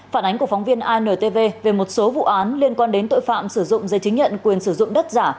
phản ánh của phóng viên intv về một số vụ án liên quan đến tội phạm sử dụng dây chứng nhận quyền sử dụng đất giả